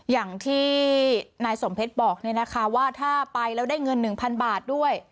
อย่างที่นายสมเพชรบอกเนี่ยนะคะว่าถ้าไปแล้วได้เงินหนึ่งพันบาทด้วย